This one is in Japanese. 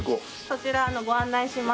そちらご案内します。